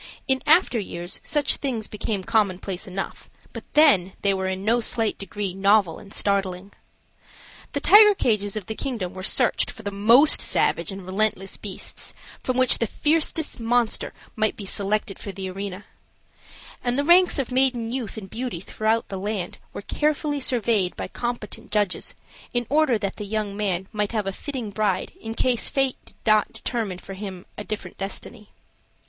In after years such things became commonplace enough, but then they were in no slight degree novel and startling. The tiger cages of the kingdom were searched for the most savage and relentless beasts, from which the fiercest monster might be selected for the arena; and the ranks of maiden youth and beauty throughout the land were carefully surveyed by competent judges in order that the young man might have a fitting bride in case fate did not determine for him a different destiny.